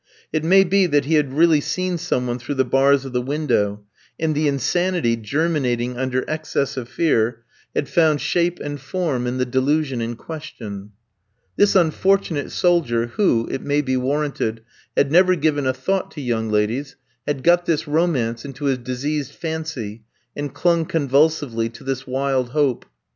It may be that he had really seen some one through the bars of the window, and the insanity, germinating under excess of fear, had found shape and form in the delusion in question. This unfortunate soldier, who, it may be warranted, had never given a thought to young ladies, had got this romance into his diseased fancy, and clung convulsively to this wild hope.